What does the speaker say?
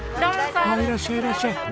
ああいらっしゃいいらっしゃい。